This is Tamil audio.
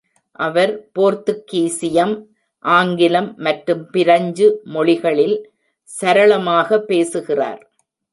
அவர் போர்த்துகீசியம், ஆங்கிலம் மற்றும் பிரஞ்சு மொழிகளில் சரளமாக பேசுகிறார்.